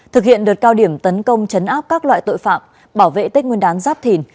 thực hiện đợt cao điểm tấn công chấn áp các loại tội phạm bảo vệ tích nguyên đán giáp thìn